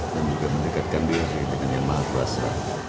dan juga mendekatkan diri dengan yang maha kuasa